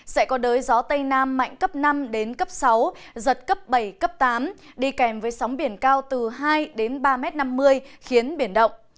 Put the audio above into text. sẽ có đới gió tây nam mạnh cấp năm sáu giật cấp bảy tám đi kèm với sóng biển cao từ hai ba năm mươi m khiến biển động